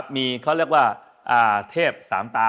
มีเค้าเรียกว่าเทพ๓ตา